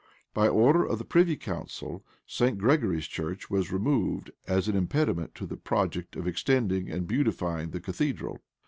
[] By order of the privy council, St. Gregory's church was removed, as an impediment to the project of extending and beautifying the cathedral.